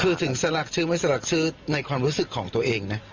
คือถึงสลักชื่อไม่สลักชื่อในความรู้สึกของตัวเองนะ